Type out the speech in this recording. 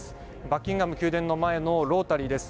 バッキンガム宮殿の前のロータリーです。